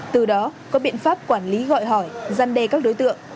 từ đó có biện pháp quản lý gọi hỏi gian đe các đối tượng